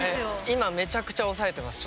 今めちゃくちゃ抑えてます